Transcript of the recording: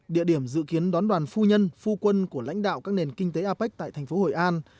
địa điểm dự kiến đón đoàn phu nhân phu quân của lãnh đạo các nền kinh tế apec tại thành phố hội an